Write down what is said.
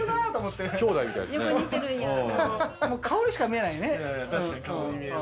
顔にしか見えないよね。